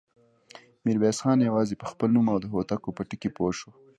ميرويس خان يواځې په خپل نوم او د هوتکو په ټکي پوه شو.